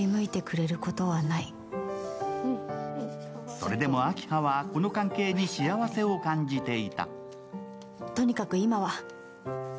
それでも明葉は、この関係に幸せを感じていた。